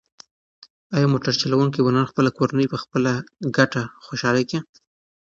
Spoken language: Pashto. ایا موټر چلونکی به نن خپله کورنۍ په خپله ګټه خوشحاله کړي؟